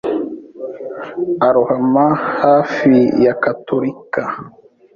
Arohama hafi ya Cattolika